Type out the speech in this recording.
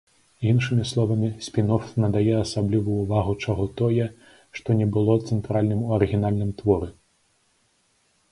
Іншымі словамі, спін-оф надае асаблівую ўвагу чаго-тое, што не было цэнтральным у арыгінальным творы.